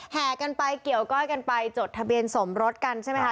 แห่กันไปเกี่ยวก้อยกันไปจดทะเบียนสมรสกันใช่ไหมคะ